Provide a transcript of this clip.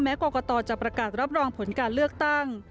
กรกตจะประกาศรับรองผลการเลือกตั้ง